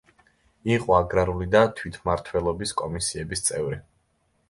იყო აგრარული და თვითმმართველობის კომისიების წევრი.